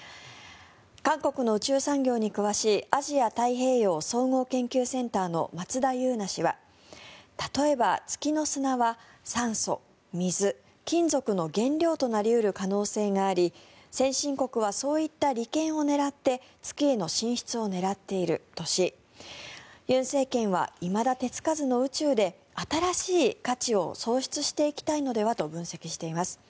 韓国の宇宙産業に詳しいアジア・太平洋総合研究センターの松田侑奈氏は例えば月の砂は酸素、水、金属の原料となり得る可能性があり先進国はそういった利権を狙って月への進出を狙っているとし尹政権はいまだ手つかずの宇宙で新しい価値を創出していきたいのではと分析しています。